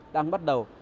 đang bắt đầu